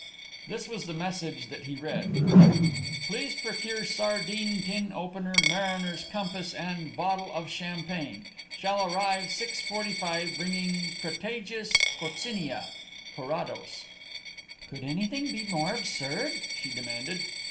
This was the message that he read: _Please procure sardine tin opener mariner's compass and bottle of champagne. Shall arrive 6.45 bringing Crataegus Coccinea._ CARRADOS. "Could anything be more absurd?" she demanded.